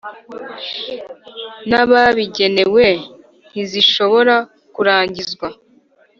N ababigenewe ntizishobora kurangizwa